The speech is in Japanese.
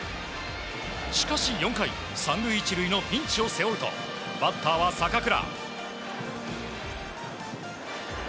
しかし、４回３塁１塁のピンチを背負うとバッターは坂倉。